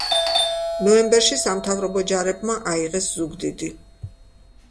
ნოემბერში სამთავრობო ჯარებმა აიღეს ზუგდიდი.